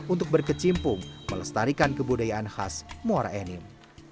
untuk berkecimpung melestarikan kebudayaan khas muara enim